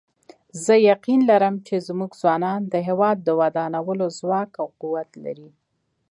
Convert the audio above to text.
زه یقین لرم چې زموږ ځوانان د هیواد د ودانولو ځواک او قوت لري